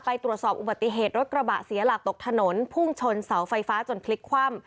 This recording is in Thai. ตรวจสอบอุบัติเหตุรถกระบะเสียหลักตกถนนพุ่งชนเสาไฟฟ้าจนพลิกคว่ำ